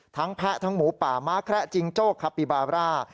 แพะทั้งหมูป่าม้าแคระจิงโจ้คาปิบาร่า